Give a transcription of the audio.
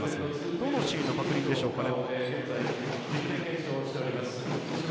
どのシーンの確認でしょうかね？